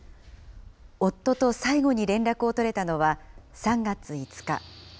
夫と最後に連絡を取れたのは３月５日。